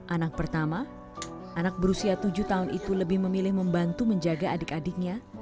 anak pertama anak berusia tujuh tahun itu lebih memilih membantu menjaga adik adiknya